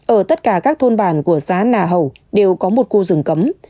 ở tất cả các thôn bản của xá nà hậu đều có một khu rừng cấm